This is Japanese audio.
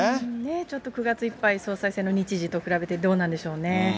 ちょっと９月いっぱい、総裁選の日時と比べてどうなんでしょうね。